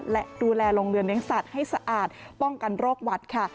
และดูแลโรงเรือเลี้ยสัตว์ให้สะอาดป้องกันโรควัดค่ะ